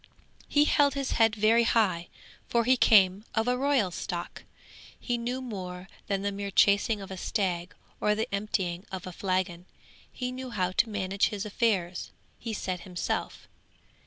'He held his head very high, for he came of a royal stock! He knew more than the mere chasing of a stag, or the emptying of a flagon; he knew how to manage his affairs, he said himself.